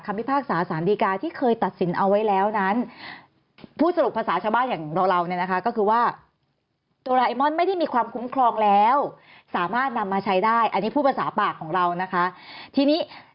คำพิพากษาสันดีการที่เคยตัดสินเอาไว้แล้วนั้นพูดสรุปภาษาชาวบ้าน